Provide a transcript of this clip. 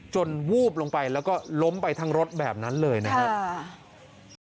วูบลงไปแล้วก็ล้มไปทั้งรถแบบนั้นเลยนะครับ